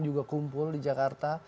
juga kumpul di jakarta